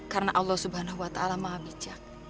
karena allah swt maha bijak